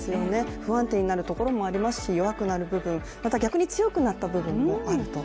不安定になるところもありますし弱くなる部分、また逆に、強くなった部分もあると。